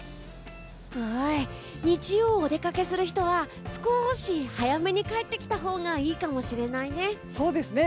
日曜お出かけする人は少し早めに帰ってきたほうがいいかもしれないね。